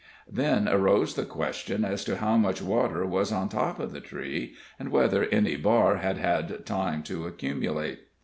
Then arose the question as to how much water was on top of the tree, and whether any bar had had time to accumulate.